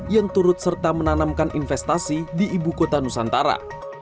yang turut serta menanamkan investasi di ibu kota nusantara